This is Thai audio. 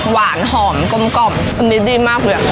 หวานหอมกลมอันนี้ดีมากเลย